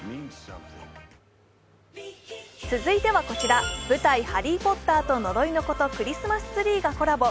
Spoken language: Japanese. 続いてはこちら、舞台「ハリー・ポッターと呪いの子」とクリスマスツリーがコラボ。